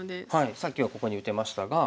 さっきはここに打てましたが。